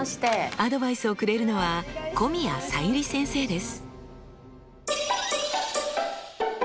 アドバイスをくれるのは古宮才由里先生です。